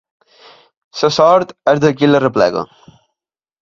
La sort és de qui l'arreplega.